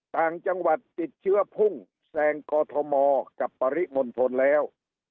ต่างจังหวัดติดเชื้อพุ่งแซงกอทมกับปริมณฑลแล้ว